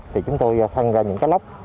thì chúng tôi phân ra những cái lóc